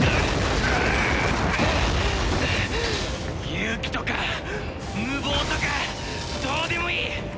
勇気とか無謀とかどうでもいい！